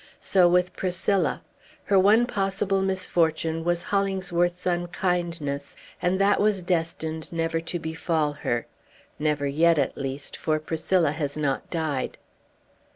So with Priscilla; her one possible misfortune was Hollingsworth's unkindness; and that was destined never to befall her, never yet, at least, for Priscilla has not died.